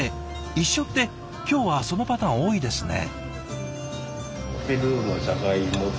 一緒って今日はそのパターン多いですね。